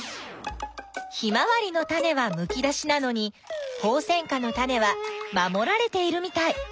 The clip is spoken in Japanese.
ヒマワリのタネはむき出しなのにホウセンカのタネは守られているみたい。